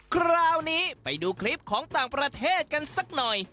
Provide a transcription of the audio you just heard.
คราวนี้ไปดูคลิปของต่างประเทศกันสักหน่อย